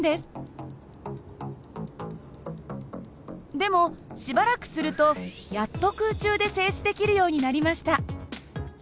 でもしばらくするとやっと空中で静止できるようになりました。